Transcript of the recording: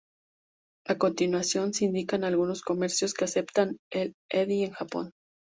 A continuación se indican algunos comercios que aceptan el Edy en Japón.